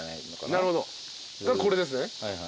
なるほどこれですね。